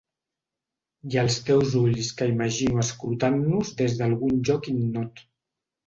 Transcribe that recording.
I els teus ulls que imagino escrutant-nos des d'algun lloc ignot.